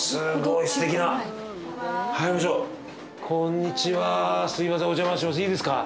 いいですか？